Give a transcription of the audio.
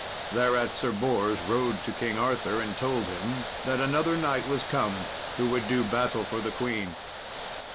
Thereat Sir Bors rode to King Arthur, and told him that another knight was come who would do battle for the queen.